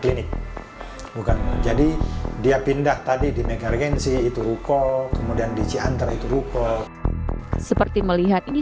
ini bukan jadi dia pindah tadi di mekargensi itu ukol kemudian diantar itu ruko seperti melihat ini